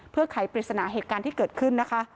เพื่อไขปริศนาเหตุการณ์ที่เกิดขึ้นนะคะ